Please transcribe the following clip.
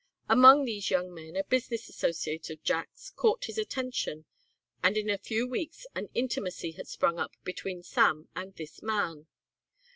Among these young men a business associate of Jack's caught his attention and in a few weeks an intimacy had sprung up between Sam and this man.